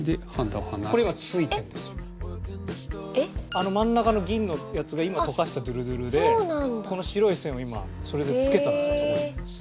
あの真ん中の銀のやつが今溶かしたドゥルドゥルでこの白い線を今それで付けたんですよ。